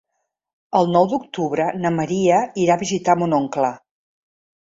El nou d'octubre na Maria irà a visitar mon oncle.